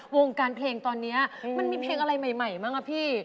วงการเพลงตอนนี้มันมีเพลงอะไรใหม่บ้างอะพี่